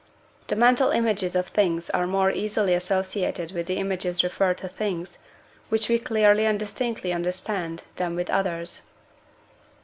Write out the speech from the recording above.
The mental images of things are more easily associated with the images referred to things which we clearly and distinctly understand, than with others.